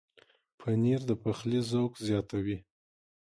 پنېر د پخلي ذوق زیاتوي.